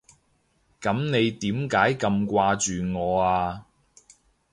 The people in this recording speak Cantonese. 噉你點解咁掛住我啊？